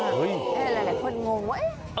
เห้ยเเห็นหลายหลายคนงงวะเอ้ะ